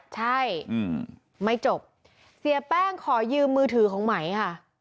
ใช่ไม่จบเสียแป้งขอยืมมือถือของไหมค่ะ